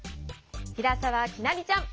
ひらさわきなりちゃん。